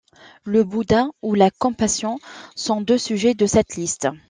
Le Bouddha ou la compassion sont deux sujets de cette liste.